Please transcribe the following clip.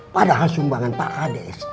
padahal sumbangan pak kades